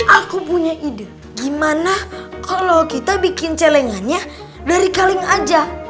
aku punya ide gimana kalau kita bikin celengan ya dari kalian aja